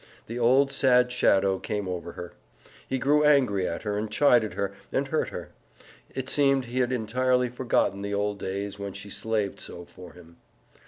The old sad shadow came over her. He grew angry at her and chid her, and hurt her. It seemed he had entirely forgotten the old days when she slaved so for him.